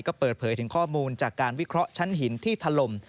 ก็เปิดเผยถึงข้อมูลจากการวิเคราะห์ชั้นหินที่ถล่ม